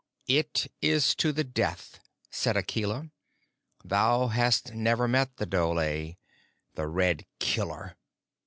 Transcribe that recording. "It is to the death," said Akela. "Thou hast never met the dhole the Red Killer.